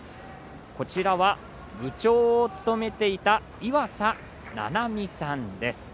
こちらは部長を務めていたいわさななみさんです。